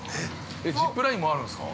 ジップラインもあるんですか。